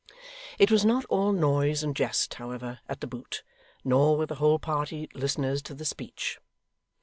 It was not all noise and jest, however, at The Boot, nor were the whole party listeners to the speech.